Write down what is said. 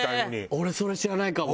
俺それ知らないかも。